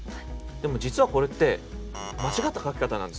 でも実はこれって間違った書き方なんですよ。